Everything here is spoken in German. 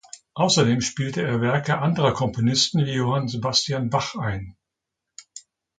Außerdem spielte er Werke anderer Komponisten wie Johann Sebastian Bach ein.